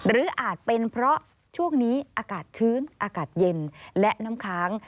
อาจเป็นเพราะช่วงนี้อากาศชื้นอากาศเย็นและน้ำค้าง